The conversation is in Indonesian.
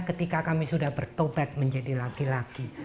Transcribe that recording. ketika kami sudah bertobat menjadi laki laki